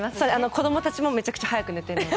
子供たちもめちゃくちゃ早く寝るので。